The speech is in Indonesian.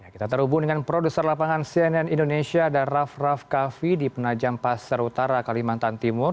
kita terhubung dengan produser lapangan cnn indonesia dan raff raff kaffi di penajam pasar utara kalimantan timur